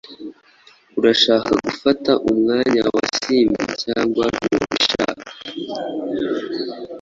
Urashaka gufata umwanya wa Simbi cyangwa ntubishaka?